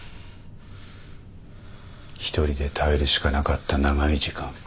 一人で耐えるしかなかった長い時間。